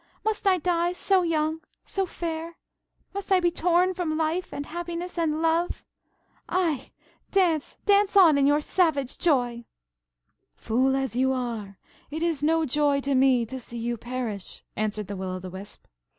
Must I die so young, so fair? Must I be torn from life, and happiness, and love? Ay, dance! dance on in your savage joy." "Fool as you are, it is no joy to me to see you perish," answered the Will o' the Wisp.